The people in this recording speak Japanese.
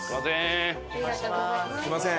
すいません